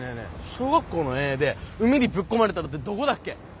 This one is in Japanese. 小学校の遠泳で海にぶっ込まれたのってどこだっけ？